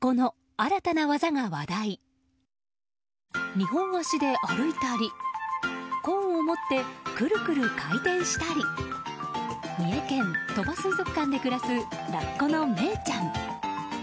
２本足で歩いたりコーンを持ってくるくる回転したり三重県鳥羽水族館で暮らすラッコのメイちゃん。